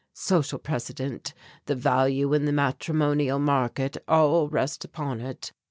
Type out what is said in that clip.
Social precedent, the value in the matrimonial market, all rest upon it.